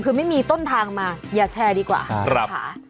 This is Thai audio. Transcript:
คือไม่มีต้นทางมาอย่าแชร์ดีกว่าค่ะ